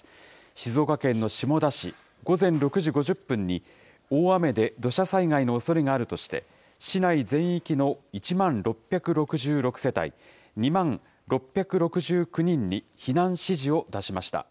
静岡県の下田市、午前６時５０分に、大雨で土砂災害のおそれがあるとして、市内全域の１万６６６世帯２万６６９人に避難指示を出しました。